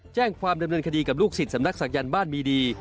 แจ้งความดำเนินคดีกับลูกศิษย์สำนักศักยันต์บ้านมีดี